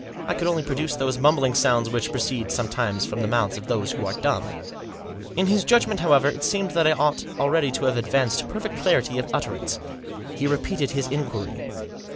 I could only produce those mumbling sounds which proceed, sometimes, from the mouths of those who are dumb. In his judgment, however, it seemed that I ought Digitized by THE TBIO RETURN. 219 already to have advanced to perfect clarity of utter ance. He repeated his inquiry.